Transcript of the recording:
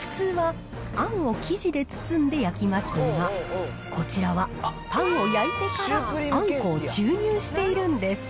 普通はあんを生地で包んで焼きますが、こちらは、パンを焼いてからあんこを注入しているんです。